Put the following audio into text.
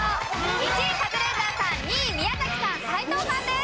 １位カズレーザーさん２位宮崎さん斎藤さんです。